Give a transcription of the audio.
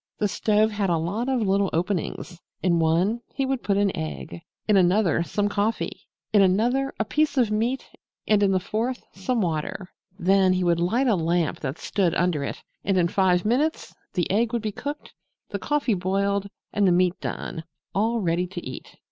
The stove had a lot of little openings. In one he would put an egg, in another some coffee, in another a piece of meat and in the fourth some water. Then he would light a lamp that stood under it, and in five minutes the egg would be cooked, the coffee boiled and the meat done all ready to eat.